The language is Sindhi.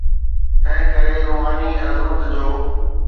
تنهنڪري روحاني عظمت جو.